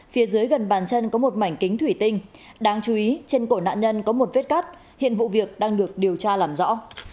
phía dưới gần bàn chân có một mảnh kính thủy tinh đáng chú ý trên cổ nạn nhân có một vết cắt hiện vụ việc đang được điều tra làm rõ